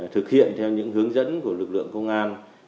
thực hiện theo những hướng dẫn của lực lượng công an